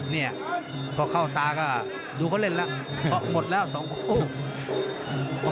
เนี่ยพอเข้าตาก็ดูเขาเล่นแล้วเพราะหมดแล้วสองคู่